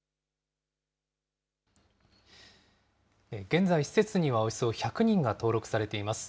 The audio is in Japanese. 現在、施設にはおよそ１００人が登録されています。